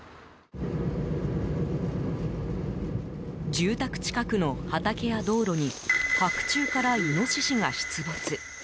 住宅近くの畑や道路に白昼からイノシシが出没。